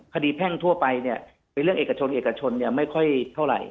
แพ่งทั่วไปเนี่ยเป็นเรื่องเอกชนเอกชนไม่ค่อยเท่าไหร่